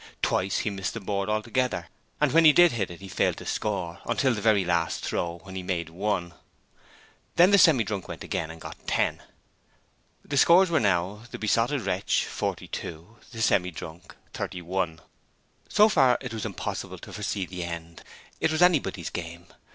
Twice he missed the board altogether, and when he did hit it he failed to score, until the very last throw, when he made 1. Then the Semi drunk went in again and got 10. The scores were now: Besotted Wretch ........................ 42 Semi drunk ............................. 31 So far it was impossible to foresee the end. It was anybody's game.